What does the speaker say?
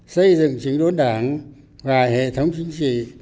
xây dựng chính đốn đảng và hệ thống chính trị